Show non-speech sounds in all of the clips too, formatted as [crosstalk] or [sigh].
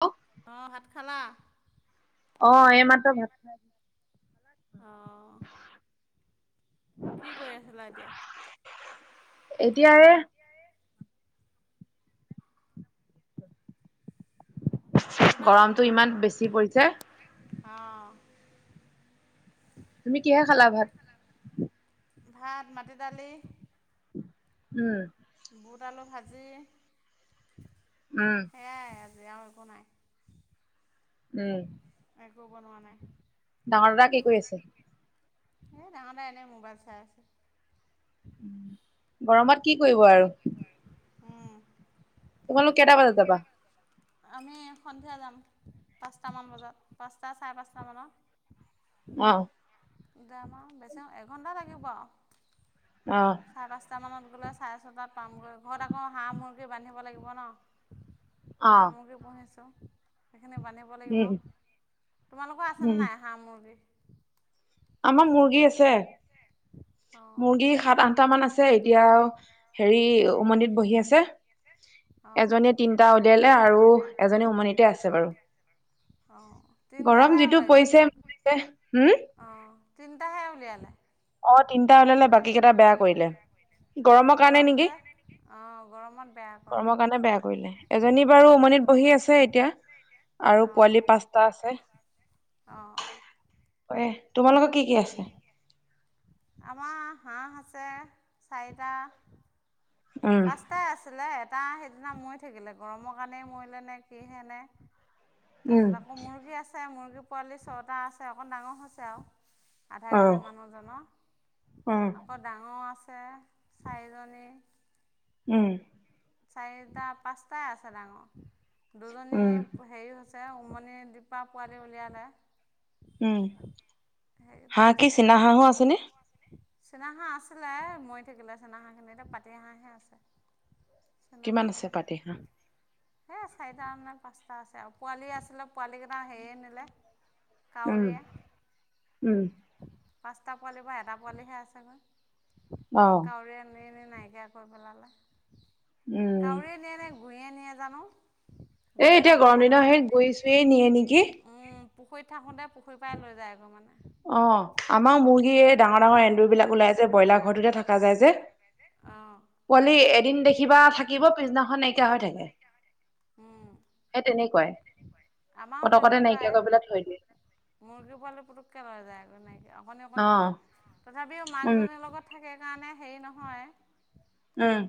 হেল্ অঁ ভাত খালা অ এ মাত্ৰ ভাত খাই অঁ কি কৰি আছিলা এতিয়া এতিয়াাৰে কিবা গৰমটো ইমান বেছি পৰিছে অ তুমি কিহে খালা ভাত ভাত মাটি দালি উম বুট আলু ভাজি [inaudible] উম এই আজি আৰু একো নাই উম একো বনোৱা নাই ডাঙৰ দাদা কি কৰি আছে এ ডাঙৰ ডাঙ এনেই মোবাইল চাই আছে উ গৰমত কি কৰিব আৰু উ তোমালোক কেইটা বজাত যাবা আমি সন্ধিয়া যাম পাঁচটামান বজাত পাঁচটা চাৰে পাঁচটামানত অ দাম আৰু বেছি এঘন্টা লাগিব অ চাৰে পাঁচটামানত গ'লে চাৰে ছটাত পামগৈ ঘৰত আকৌ হাঁহ মুৰ্গী বান্ধিব লাগিব ন অ হাঁ মৰ্গী পুহিছো সেইখিনে বা লাগিব উম তোমালোকৰ উম আছেনে নাই হাঁহ মুৰ্গী আমাৰ মুৰ্গী আছে অঁ মুৰ্গী সাত আঠটা মান আছে ছে এতিয়া হেৰি উমন্দিত বহি আছে অঁ এজনীয়ে তিনিটা উওলিয়ালে আৰু এজনী উমনিতে আছে বাৰু অঁ গৰম তিনিটাহে যিটো ওলাই পৰিছে ম ফম অঁ তিনিটাহে উলিয়ালে অ তিটা হওলালে বাকী কেইটা বেয়া এইকেইটা কৰিলে বেয়া কৰিলে গৰমৰ কাৰণে নেকি গৰমত বেয়া কয় গৰমৰ কাৰণে বেয়া কৰিলে এজনী বাৰু উমনিত বহি আছে এতিয়া আৰু পোৱালি পাঁচটা আছে অ এ তোমালোকৰ কি কি আছে আমাৰ হাঁহ আছে চাৰিটা উম এটাই আছিলে এটা সিদিনা মৰি থাকিলে গৰমৰ কাৰণেই মৰিলে নে কিহেনে উম তাৰপিছত আকৌ মুৰ্গী আছে মুৰ্গী পোৱালি ছটা আছে অকণ ডাঙৰ হৈছে আৰু আধা কেজি আহ উম মানুহজননৰ আকৌ ডাঙৰ আছে চাৰিজনী উম চাৰিটা পাঁচটাই আছে ডাঙৰ দুজনী উম হেৰি হৈছে ছে উমনি দীপা পোৱালি উলিয়ালে উম হাঁহ কি চীনা হাঁহো আছেনে চীন হাঁহ আছিলে মৰি থাকিলে চেনাহাঁহ খিনি এয়া পাতি হাঁহে আছে কিমান চীনাহাঁহ আছে নাই পাতি হাঁহ সেই চাৰিটা নে পাঁচটা আছে আৰু পোৱালি আছিলে পোৱালী কেইটা হেয়ে নিলে উম উম কাউৰীয়া পাঁচটা পোৱালি বা এটা পোৱালিহে আছেগৈ অহ কাউৰী নি নি নাইকিয়া কৰি পেলালে উম কাউৰীয়ে নিয়ে নে গুৰিয়ে নিয়ে জানো এ গমেই এতিয়া নাপাওঁ গৰম মানে। দিনৰ আহি গুছোৱেই নিয়ে নেকি পুখুৰীত থাকোঁতে পুখুৰীৰ পৰাৰাই লৈ যায় আগৌ মানে অ আমাৰ মুৰ্গীয়ে তেনে ডাঙৰ ডাঙৰ এন্দুৰ বিলাক ওলাই যে ব্ৰইলাৰ ঘৰটোতে থকা যায় যে অঁ পোৱালি এদিন দেখিবা থাকিব পিছদিনাখন নাইকিয়া হৈ থাকে উম সেই তেনেকুৱাই আমাৰো কটকতে তেনেকুৱাই নাইকিয়া কৰি পেলাই থৈ দিয়ে মুৰ্গী পোৱালো পুটকৈ লৈ যায় এক নাইকৈ অকণনি অকণনি অ', যায় তথাপিও উম, মাকজনীৰ লগত থাকে কাৰণে হেৰি নহয় উম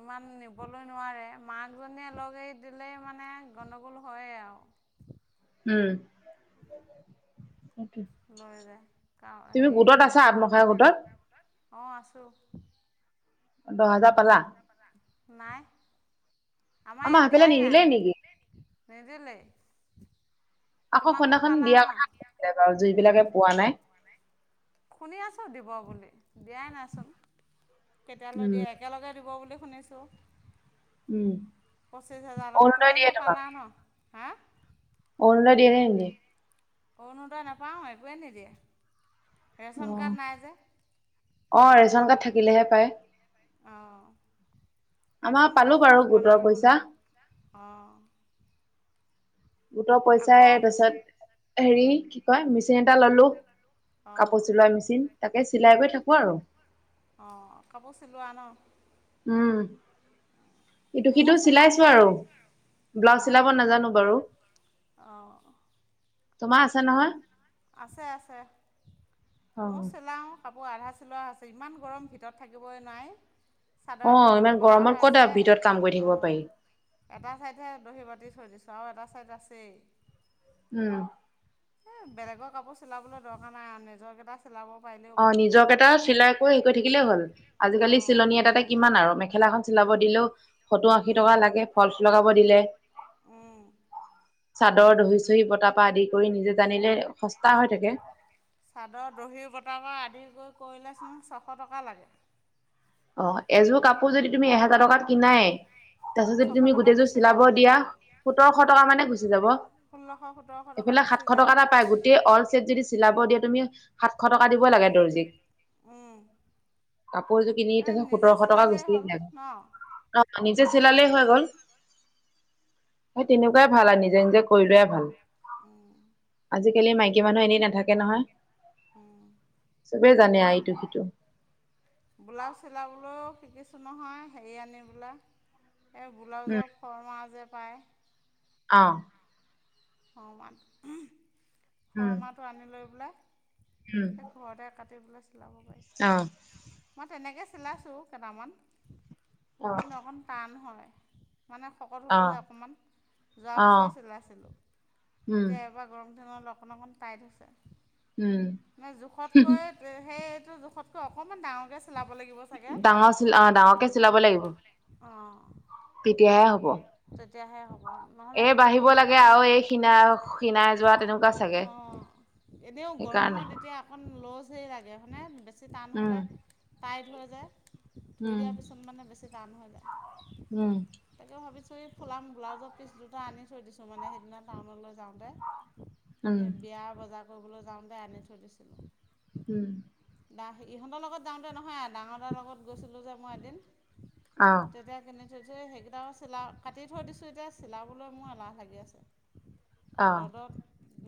ইমান নিবলৈ নোৱাৰে মাকজনীয়ে লগ এৰি দিলেই মানে গণ্ণগোল হয় আৰু উম সেইটোৱে। লৈ যায় ক তুমি হে গোটত আছা আত্মসহায়ক গোটত? অ আছো দহ হাজাৰ পালা নাই আমাৰ ইয়াত আমাৰ দিয়াই সেইফালে নিদিলেই নেকি? নাই ন দিলে আকৌ সুনাখন ন দিয়াৰ কথা কছিলে বাৰু যু বিলাকে পোৱা নাই শুনি আছো দিব বুলি দিয়াই নাইচোন কেতিয়ালৈ উম, দিয়ে একেলগে দিব বুলি শুনিছোঁ উম, পঁচিছ হাজাৰ আত অৰুণোদয় দিয়ে তোমালোকে পালা ন হা ঔন ল দিয়নে অৰুণোদয় নাপাওঁ একোৱেই নিদিয়ে ৰেচন কাৰ্ড নাই যে অঁ ৰেচন কাৰ্ড থাকিলেহে পায় অঁ আমাৰ ৰেচন পালো বাৰু কাৰ্ডখন গোটৰ বনাই ল'ব পইচা, লাগিব অঁ গোটৰ আকৌ পইচাই পাৰছত হেৰি কি কয় মি মেচিন এটা ল'লোঁ অঁ কাপোৰ চিলোৱা মেচিন তাকে চিলাই কৰি থাকোঁ আৰু অঁ কাপোৰ চিলোৱা ন উম ইটো ময়ো সিটো চিলাওঁ চিলাইছো আৰু ব্লাউজ চিলাব নাজানো বাৰু আহ তোমাৰ আছে নহয় আছে আছে মই অ'। চিলাওঁ কাপোৰ আধা চিলোৱা আছে ইমান গৰম ভিতৰত থাকিবই নাই চাদৰ অ এখন ইমান বহি বতা গৰমত হৈ ক'ত আছে আৰু ভিতৰত এফ কাম কৰি অ থাকিব পাৰি। এটা ছাইডহে দহি বাতি থৈ দিছোঁ আৰু এটা ছাইড আছেই উম এ বেলেগৰ কাপোৰ চিলাবলৈ দৰকাৰ নাই আৰু নিজৰ কেইটা চেলাব পাৰিলো অ নিজক এটা চিলাই কৰি হেৰি কৰি থাকিলেই হ'ল আজিকালি চিলনী এটাতে কিমান আৰু মেখেলাখন চলাব দিলেও সত্তৰ আশী টকা উম, লাগে ফলচ লগাব দিলে উম চাদৰ দহি চহি বতাৰ পা আদি কৰি নিজে জানিলে সস্তা হৈ থাকে চাদৰ দহি বতাব আদ কৰি কৰিলেছ মোক ছশ টকা লাগে অ এযোৰ কাপোৰ যদি তুমি এহেজাৰ টকাত কিনাই তাৰপিছত যদি ছশ তুমি টকা দি গোটেইযোৰ চিলাব দিয়া লাগিব। সোতৰশ টকা মানে গুচি যাব ষোল্লশ সোতৰশ টকা এইফালে গুচি সাতশ যায়। টকা এটা পায় গোটেই অল চছেট যদি চিলাব দিয়া তুমি সাতশ টকা দিব লাগে দৰ্জিক উম, কাপোৰযোৰ কিনি এই তেতি নিজে সোতৰশ টকা চিলালেই গুচি হ'ল দিল ন? অ নিজে চিলালেই হৈ গ'ল সেই তেনেকুৱাই ভাল আৰু নিজে নিজে কৰি লোৱাই ভাল উম, আজিকালি মাইকী মানুহ এনেই নাথাকে নহয় উম। চবে জানে আৰু ইটো সিটো ব্লাউজ চিলাবলৈও শিকিছোঁ নহয় হেৰি আনি বোলে সেই উম, ব্লাউজৰ ফৰ মাহ যে পায় অ শা উম, খৰ্মাহটো আনি লৈ পেলাই উম, সেই ঘৰতে কাটি পেলাই চিলাব পাৰি অ মই তেনেকে চিলাইছোঁ কেইটামান অ', কিন্তু অকণ টান হয় মানে শকত হ'লোঁ অ', যে অকণমান যোৱা বছৰে অ', চিলাইছিলোঁ উম, এতিয়া এবাৰ গৰম দিনত অকণ অকণ টাইট হৈছে উম। মানে জোখতকৈ সেইটো জোখতকৈ অকমান ডাঙৰকে চাব লাগিব চাগোঙ ডাঙৰ চিল অ' ডাঙৰকে চিলাব লাগিব। অ তেতিয়াহে হ'ব তেতিয়াহে হ'ব নহ'লে এ সেইটো বাঢ়িব লাগে জোখতে আৰু সীনাাই শীণাই যোৱা তেনেকুৱা চাগে অঁ এনেও সেইকাৰণে গৰমত এতিয়া অকণ ল'জ হেৰি লাগে মানে বেছি টান উম। হ'লে টাইট হৈ যায় ধুই উম, দিয়াৰ পিছত মানে বেছি টান হৈ যায় উম তাকে ভাবিছোঁ এই ফুলাম ব্লাউজৰ পিছ দুটা আনি থৈ দিছোঁ মানে সেইদিনা টাউনলৈ যাওঁতে উম, এই বিয়া বজাৰ কৰিবলৈ যাওঁতে আনি থৈ দিছিলোঁ উম দা ইহঁতৰ লগত যাওঁতে নহয় ডাঙৰ দাৰ লগত গৈছিলোঁ যে মই এদিন আহ, ত বে কেনে য সেইকেইটা চিলা কাটি থৈ দিছোঁ এতিয়া চিলাবলৈ মোৰ এলাহ লাগি আছে আহ, ৰ'দত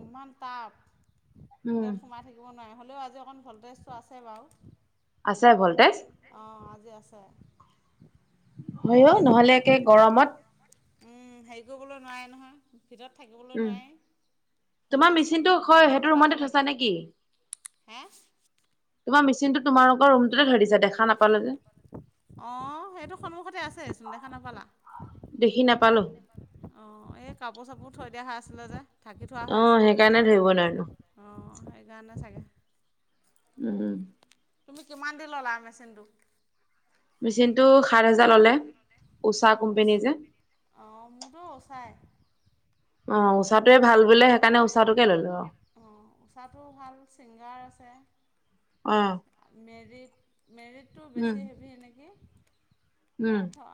ইমান টাব উম, ভিতৰত সোমাই থাক দ নোৱাৰে হ'লেও আজি অকণ ভলটেজটো আছে বাৰু আছে ভল্টেজ অঁ আজি আছে এই হয় অ সেইখিনি নহলে একে গৰমত হেৰি কৰিবলৈ নোৱাৰে নহয় ভিতৰত থাকিবলৈ উম, নোৱাৰি তোমাৰ ভল্টেজ মেচিনটো থাকিলোঁ হয় গৰম সেইটো ৰুমতে গতাহে থৈছা লাগে নেকি? হা তোমাৰেচিনটো তোমালোক ৰুমতে ধৰি যা দেখা নাপালো যে অ সেইটো সন্মুখতে আছেচোন দেখা নাপালা দেখি নাপালোঁ অ এই কাপোৰ চাপোৰ থৈ দিয়া হৈ আছিলে যে থাকি থোৱা হৈ অ', আছিলে সেইকাৰণে ধৰিব নোৱাৰিলো অঁ সেইকাৰণে চাগে উম উম তুমি কিমান দিন ল'লা মেচিনট মেচিন টো সাত হোজাৰ ললে উষা অ কোম্পেনী যে ওচাই অ মোৰতো ওচাই অ উষাটোোৱে ভাল বুললে সেইকাৰণে উষাটোকে ললো আৰু অঁ উঊষাটো ভাল ছিংগাৰ আছে অ মেৰিট মেৰিটটো উম, বেছি হেভি এনেকৈ উম, এই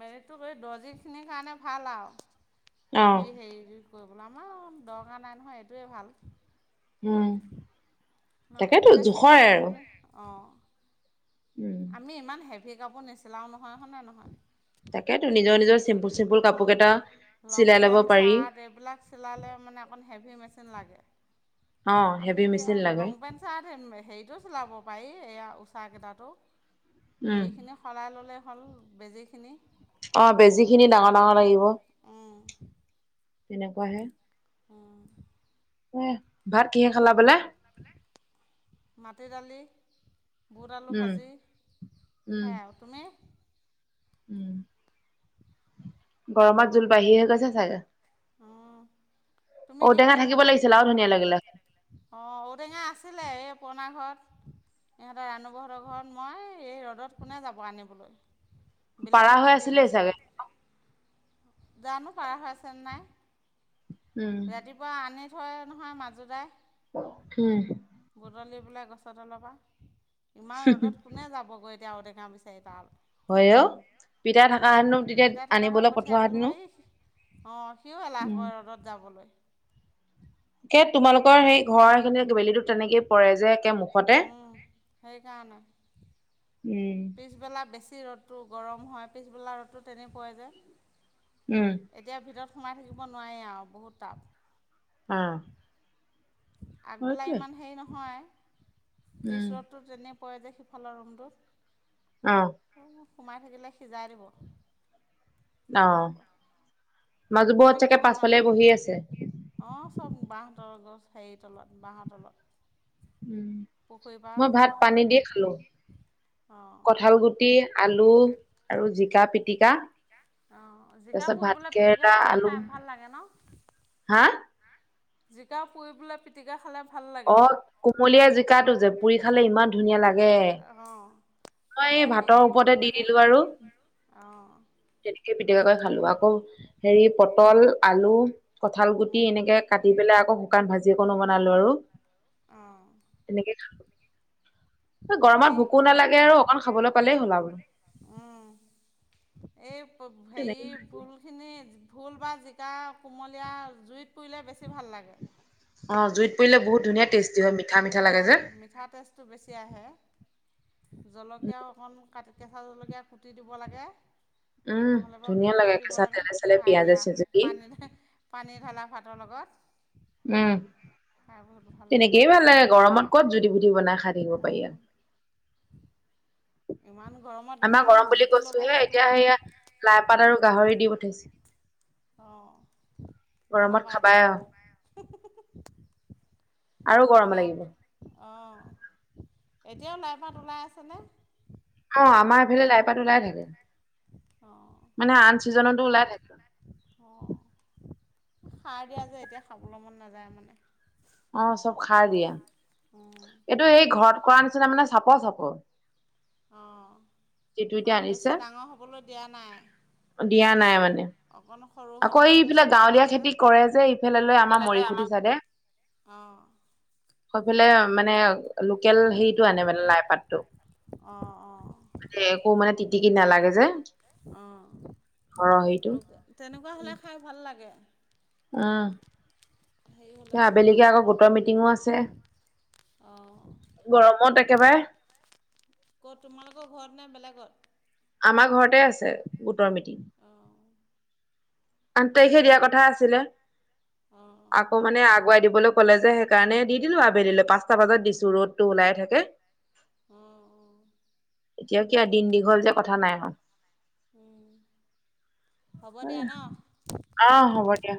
মেৰিটটো কৰি দৰ্জিখিনিৰ কাৰণে ভাল আৰু হেভি অ', হেৰি কৰিবলৈ আমাৰ দৰকাৰ নাই নহয় এইটোৱেই ভাল উম অ তাকেতো এইটোতে চিলোৱা জোখৰে কাম আৰু খিনি অ উম আমি ইমান হেভি কাপোৰ নিচিলাও নহয় হনে নহয় তাকেতো নিজৰ নিজৰ চিম্পুল চিম্পুল অ কাপোৰ কেইটা লং চিলাই লব পেন্ট পাৰি চাৰ্ট এইবিলাক ম ম আ অ হেভি এ মেচিন লাগে উচাৰ হেৰিটো চিলাব পাৰি এইয়া উষাকেইটাো উম সেইৰিখিনি সলই ল'লেই হ'ল বেজীখিনি অ বেজি খিনি ডাঙৰ ডাঙৰ লাগিব তেনেকুৱ হে অঁ এ ভাত কিহে খালা বোলে মাটি দালি বুট আলু উম ভাজি উম সেয়াই আৰু তুমি? উম। গৰমত জোল বাঢ়িহে গৈছে চাগে। তুমি ঔটেঙা থাকিব লাগিছিল আৰু ধুনীয়া লাগিলে। অ ঔটেঙা আছিলে এই পুৰনা ঘৰত। ইহঁতৰ ৰাণুবহঁতৰ ঘৰত মই এই ৰ'দত কোনে যাব আনিবলৈ। পাৰা বিলাহীকে হৈ দি আছিলে দিছোঁ চাগে? আৰু। জানো পাৰা হৈ আছেনে নাই। উম ৰাতিপুৱা আনি থয় নহয় মাজোদাই। উম। বুটলি পোলাই গছৰলৰপ পৰা ইমান ৰ'দত কোনে যাবগৈ এতিয়া ঔটেঙা পিছত। হয় অ পিতাই থকা হেতেনো তেতিয়া পিতা থকা হয় আনিবলৈ পঠিয় পঠোৱা দিল হেতেনো হয়। অ সিও এলাহ উম কৰে ৰ'দত যাবলৈ। তোমালোকৰ সেই ঘৰৰ খিনি বেলিতো তেনেকেই পৰে যে। মুখতে উম, সেইকাৰণে উম। পিছবেলা বেছি ৰ'দটো গৰম হয় পিছবেলা ৰ'দটো তেনেকুৱাই যায়। উম। এতিয়া ভিতৰত সোমাই থাকিব নোৱাৰি আৰু বহুত টাপ। অ। আগবেলা সেইটোৱে ইমান হেৰি নহয়। উম। পিছততো তেনে পৰে যে সিফালৰ ৰুমটোত। অ। সোমাই থাকিলে সিজাই দিব। অ তেনেকুৱা। মাজুবোৰত তুমি চাগে কি পাছফালে বনালা? বহি আছে। অঁ চব বাঁহ তলত গছ হেৰিৰ তলত বাঁহৰ তলত। উ পুখুৰী মই পাৰত ভাত পানী দি খালো অঁ কঠাল গুটি। টি আলু আৰু জিকা পি। অ জিকা ভাত পুৰিবলৈ পিটিকি কেৰেলা খালে আলু খাই ভাল লাগে ন? হা? জিকা পুৰিবলৈ পিটিকা খালে ভাল অ লাগে। কুমলীয়া জিকাটো যে পুৰি খালে ইমান ধুনীয়া লাগে। অ', মই তাতে এই ভাতৰ হেৰিও দিব ওপৰতে দি লাগে দিলো। আৰু অ', তেনেকে পিটকাকৈ খালো আকৌ হেৰি পটল আলু কঠাল গুটি উম, এনেকে। কাটি পেলাই আকৌ শুকান ভাজি অকণো বনালো। আৰু অঁ। তেনেকে খ গৰমত হেৰি ভোকো কৰিব নালাগে লাগে আৰু অকন খাবলৈ পালেই হলা বাৰু। উম এই ভ তেনেকে ভুল। খিনি ভোল বা জিকা কোমলীয়া জুইত পুৰিলে বেছি ভাল লাগে। অঁ জুইত পৰিলে বহুত ধুনীয়া টেষ্টি হয় মিঠা মিঠা লাগে অ', যে। মিঠা টেষ্টটো বেছি আহে জলকীয়াও অকণ। কাট কেঁচা জলকীয়া কুটি দিব লাগে। উম, নহ'লে বাৰু ধুনীয়া পুৰিয়ে দিব কেঁচা লাগে তেলে চেলে খাই পিয়াজে দিয়া চিয়াজে দি। পানী। পানী ঢালা ভাতৰ লগত। উম খাই বহুত ভাল তেনেকেই ভাল লাগে গৰমত কত জুদি বুদি বনাই খাই থাকিব পাৰি। উম, ইমান গৰমত আমাৰ ইমান গৰম বুলি জুতি কৈছো লগাই হে এতিয়া থাকিবলৈ সেয়া লাই পাত আৰু গাহৰি দি পঠাইছে। অঁ গৰমত বনাবা খাবাই এতিয়া মানে? আৰু, আৰু গৰম বনাম। লাগিব। অঁ এতিয়াও লাইপাত ওলাই আছেনে? অ আমাৰ এইফালে লাইপাত ওলাই থাকে মানে আন চিজনতো ওলাই থাকে। অ সাৰ দিয়া যে এতিয়া খাবলৈ মন নাযায় মানে। অ', চব খাই দিয়া। অ', এইটো এই ঘৰত কৰা নিচিনা মানে চাপ চাপ। অ', এতিয়া মানে আনিছে বেছি ডাঙৰ হ'বলৈ দিয়া নাই। দিয়া নাই মানে? অকণ সৰু হৈ আকৌ এই থাকোঁতে ইফালে ছিঙি গাঁৱলীয়া দিছে যে খেতি কৰে যে, ইফালে লৈ আমাৰ মৰি খুটি চাইদে। অ'। এইফালে মানে লোকেল হেৰিতটো আনে মানে লাই পাতটো। অঁ অঁ একো মানে তিটিকি নালাগে যে। অ', ঘৰৰ হেৰিটো লুক তেনেকুৱা হ'লে খাই ভাল লাগে। অ'। হেৰি হ'লে এ ভাল আবেলিকে আকৌ নালাগে গোটৰ মিটিঙো আছে। অঁ গৰমত একেবাৰে ক'ত তোমালোকৰ ঘৰত নে বেলেগত আমাৰ ঘৰতে আছে গোটৰ মিটিং। অ'। আঠ তাৰিখে দিয়া কথা আছিলে। অঁ আকৌ মানে আগুৱাই দিবলৈ ক'লে যে সেইকাৰণে দি দিলো আবেলিলৈ পাঁচটা বজাত দিছো ৰ'দ ওলাই থাকে। উম, উম। এতিয়া কিয় দিন দীঘল যে কথা নাই আৰু। উম, হ'ব দিয়া ন? অ', হ'ব দিয়া।